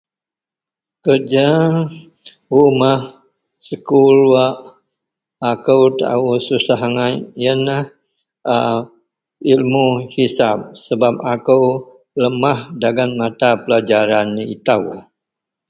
Kereja rumah sekul wak akou taou susah angai yenlah a ilmu hisab sebab akou lemah dagen matapelajaran itou.